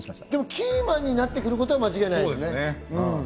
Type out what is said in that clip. キーマンになってくることは間違いないですね。